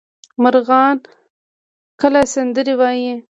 مرغان کله سندرې وايي؟